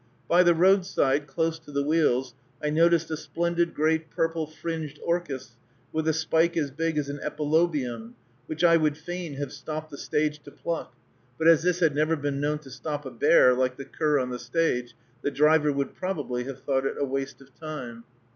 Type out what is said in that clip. By the roadside, close to the wheels, I noticed a splendid great purple fringed orchis with a spike as big as an epilobium, which I would fain have stopped the stage to pluck, but as this had never been known to stop a bear, like the cur on the stage, the driver would probably have thought it a waste of time.